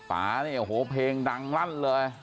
ป่าเนี่ยโอ้โหเพลงดังลั่นเลย